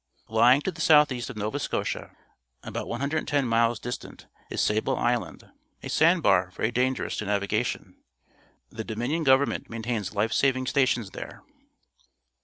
L3ang to the south east of Nova Scotia, about 110 miles distant, is Sable Island, a, sand bar very dangerous to navigation. The Dominion Go^'ernment maintains life saving stations there.